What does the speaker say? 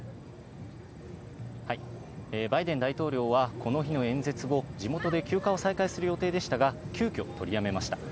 バイデン大統領はこの日の演説後、地元で休暇を再開する予定でしたが、急きょ取りやめました。